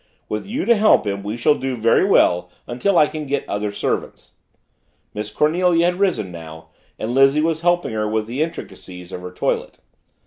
With you to help him, we shall do very well until I can get other servants." Miss Cornelia had risen now and Lizzie was helping her with the intricacies of her toilet.